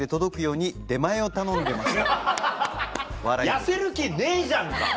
痩せる気ねえじゃんか！